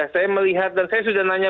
saya melihat dan saya sudah nanya